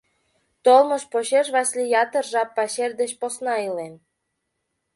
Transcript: Толмыж почеш Васлий ятыр жап пачер деч посна илен.